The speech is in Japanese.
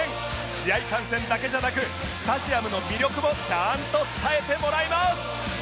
試合観戦だけじゃなくスタジアムの魅力もちゃんと伝えてもらいます